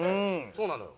そうなのよ。